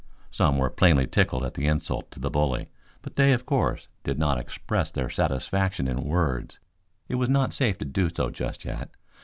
Some were plainly tickled at the insult to the bully, but they, of course, did not express their satisfaction in words. It was not safe to do so just yet.